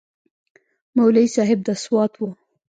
مولوي صاحب د سوات و.